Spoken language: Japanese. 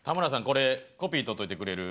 これコピーとっといてくれる？